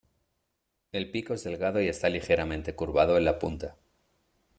El pico es delgado y está ligeramente curvado en la punta.